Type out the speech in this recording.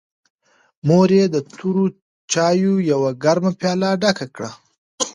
مور یې د تورو چایو یوه ګرمه پیاله ډکه کړه.